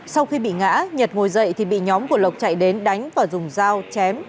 sau khi bị ngã nhật ngồi dậy thì bị nhóm của lộc chạy đến đánh và dùng dao chém